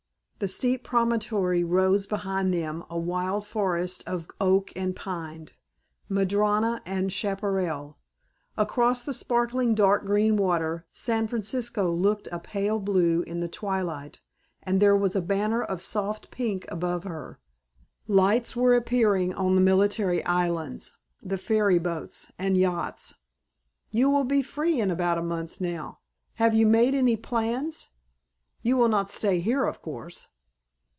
The steep promontory rose behind them a wild forest of oak and pine, madrona and chaparral. Across the sparkling dark green water San Francisco looked a pale blue in the twilight and there was a banner of soft pink above her. Lights were appearing on the military islands, the ferry boats, and yachts. "You will be free in about a month now. Have you made any plans? You will not stay here, of course."